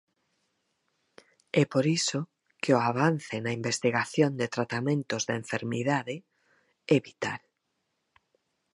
É por iso que o avance na investigación de tratamentos da enfermidade é vital.